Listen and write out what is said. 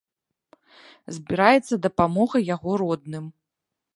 Збіраецца дапамога яго родным.